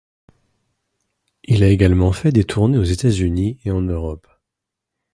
Il a également fait des tournées aux États-Unis et en Europe.